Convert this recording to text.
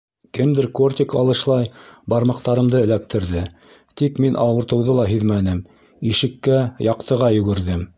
Кемдер кортик алышлай бармаҡтарымды эләктерҙе, тик мин ауыртыуҙы ла һиҙмәнем, ишеккә, яҡтыға йүгерҙем.